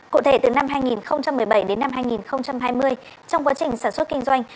cụ thể từ năm hai nghìn một mươi bảy đến năm hai nghìn hai mươi trong quá trình sản xuất kinh doanh